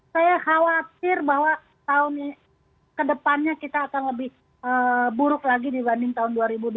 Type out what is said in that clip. saya khawatir bahwa kedepannya kita akan lebih buruk lagi dibanding tahun dua ribu dua puluh